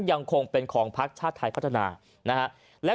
ยังคงเป็นของพักชาติไทยพัฒนานะฮะ